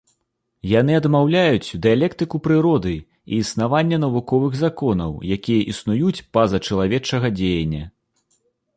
Яны адмаўляюць дыялектыку прыроды і існаванне навуковых законаў, якія існуюць па-за чалавечага дзеяння.